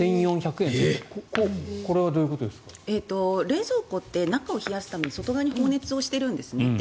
冷蔵庫って中を冷やすために外側に放熱しているんですね。